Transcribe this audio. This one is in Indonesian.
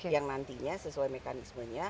yang nantinya sesuai mekanismenya